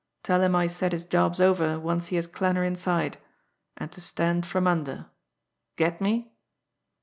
Tell him I said his job's over once he has Klanner inside and to stand from under. Get me?"